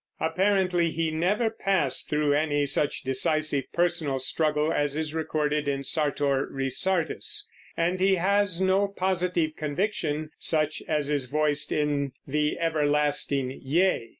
Apparently he never passed through any such decisive personal struggle as is recorded in Sartor Resartus, and he has no positive conviction such as is voiced in "The Everlasting Yea."